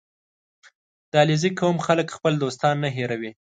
• د علیزي قوم خلک خپل دوستان نه هېروي.